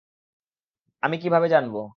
আমি কীভাবে জানবো!